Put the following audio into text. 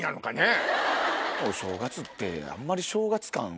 お正月ってあんまり正月感